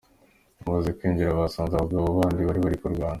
Bamaze kwinjira, basanze abagabo bandi bari kurwana.